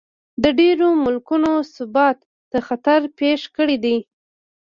د ډېرو ملکونو ثبات ته خطر پېښ کړی دی.